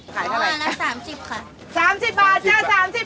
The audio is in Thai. ขายเท่าไรอันนั้น๓๐บาทค่ะ